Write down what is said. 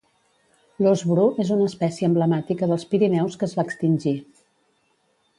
L'ós bru és una espècie emblemàtica dels Pirineus que es va extingir